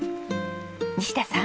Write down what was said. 西田さん